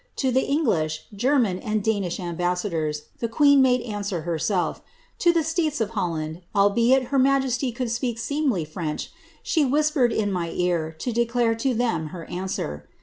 To the English. German. aiiU Danish ambassadors, the queen made answer herself; hut to the suiii of Holland, albeit her majesty could speak sccm/v Freuch, she "h, pered in my ear to declare to thein her answer.